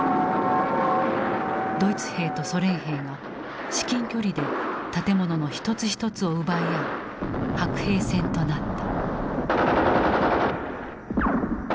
ドイツ兵とソ連兵が至近距離で建物の一つ一つを奪い合う白兵戦となった。